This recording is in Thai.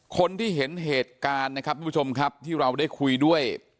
คนที่เห็นเหตุการณ์นะครับทุกผู้ชมครับที่เราได้คุยด้วย